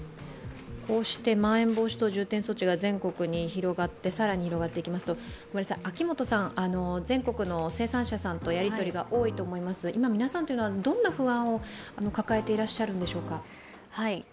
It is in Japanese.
こうしてまん延防止等重点措置が全国に更に広がっていきますと、全国の生産者さんとやりとりが多いと思いますが今、皆さんはどんな不安を抱えていらっしゃるんでしょうか。